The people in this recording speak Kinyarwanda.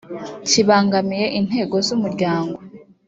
kibangamiye intego z umuryango